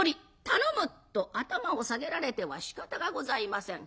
頼む」と頭を下げられてはしかたがございません。